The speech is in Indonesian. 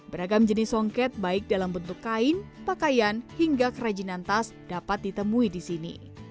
beragam jenis songket baik dalam bentuk kain pakaian hingga kerajinan tas dapat ditemui di sini